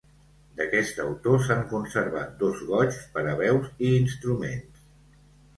D'aquest autor s'han conservat dos goigs per a veus i instruments.